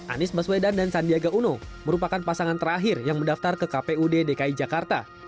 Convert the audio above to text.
anies baswedan dan sandiaga uno merupakan pasangan terakhir yang mendaftar ke kpud dki jakarta